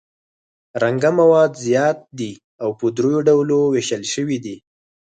رنګه مواد زیات دي او په دریو ډولو ویشل شوي دي.